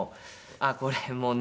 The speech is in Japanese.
あっこれもね